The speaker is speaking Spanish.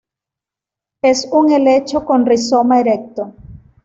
Es un helecho con rizoma erecto.